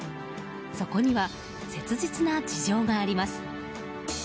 そこには切実な事情があります。